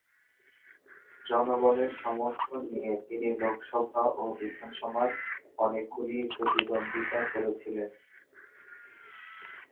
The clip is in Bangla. জনগণের সমর্থন নিয়ে তিনি লোকসভা ও বিধানসভার অনেকগুলি প্রতিদ্বন্দ্বিতা করেছিলেন।